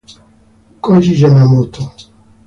Kōji Yamamoto